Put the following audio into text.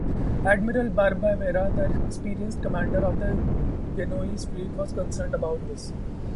Admiral Barbavera, the experienced commander of the Genoese fleet, was concerned about this.